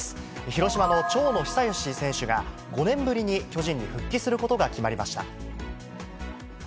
広島の長野久義選手が、５年ぶりに巨人に復帰することが決まりました。